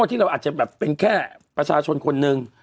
ที่เราอาจจะแบบเป็นแค่ประชาชนคนหนึ่ง